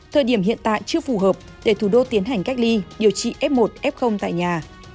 thời điểm hiện tại chưa phù hợp để thủ đô tiến hành cách ly điều trị f một f tại nhà